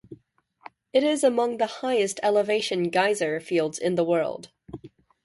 It is among the highest-elevation geyser fields in the world.